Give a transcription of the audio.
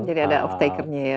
jadi ada off takernya ya